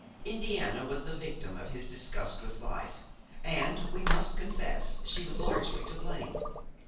Indiana was the victim of his disgust with life, and, we must confess, she was largely to blame.